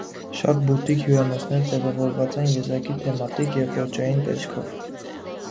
Շատ բուտիկ հյուրանոցներ ձևավորված են եզակի թեմատիկ և ոճային տեսքով։